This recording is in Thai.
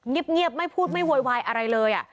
เงียบไม่พูดไม่โวยวายอะไรเลย